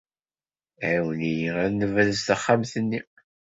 Ɛiwen-iyi ad nebrez taxxamt-nni.